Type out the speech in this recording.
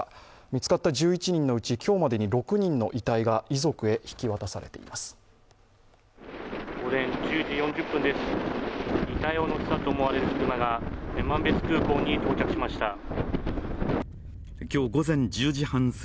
見つかった１１人のうち今日までに６人の遺体が遺族へ引き渡されています。